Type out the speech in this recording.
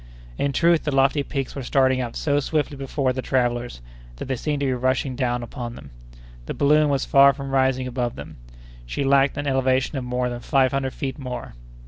In truth the lofty peaks were starting up so swiftly before the travellers that they seemed to be rushing down upon them. The balloon was far from rising above them. She lacked an elevation of more than five hundred feet more.